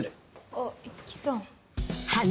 あっ五木さん。